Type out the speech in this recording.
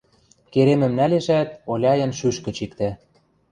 Керемӹм нӓлешӓт, Оляйын шӱшкӹ чиктӓ.